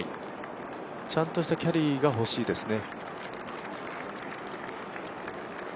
ちゃんとしたキャリーが欲しいですね。